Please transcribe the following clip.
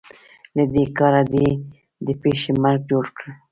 له دې کاره دې د پيشي مرګ جوړ کړ.